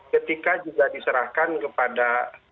ketika juga diserahkan kepada